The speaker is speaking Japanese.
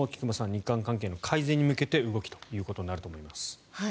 日韓関係の改善に向けて動きということになると思います。